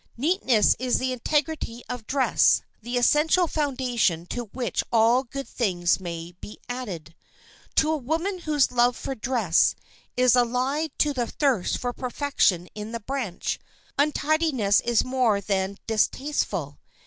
Neatness is the integrity of dress, the essential foundation to which all good things may be added. To a woman whose love for dress is allied to the thirst for perfection in that branch, untidiness is more than distasteful.